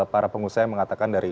para pengusaha yang mengatakan dari